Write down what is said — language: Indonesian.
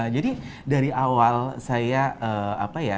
jadi dari awal saya apa ya